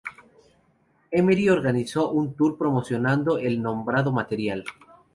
Emery organizó un tour, promocionando el nombrado material.